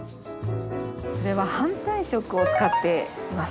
反対色を使っています。